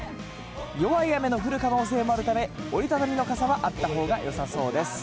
弱い雨の降る可能性もあるため、折り畳みの傘はあったほうがよさそうです。